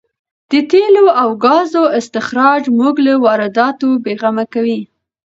د تېلو او ګازو استخراج موږ له وارداتو بې غمه کوي.